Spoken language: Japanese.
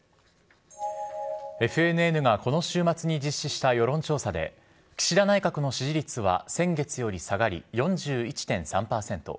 ＦＮＮがこの週末に実施した世論調査で、岸田内閣の支持率は先月より下がり４１．３％。